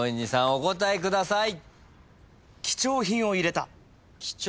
お答えください。